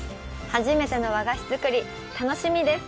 初めての和菓子作り、楽しみです。